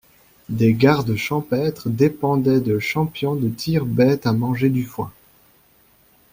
Des gardes champêtres dépendaient de champions de tir bêtes à manger du foin.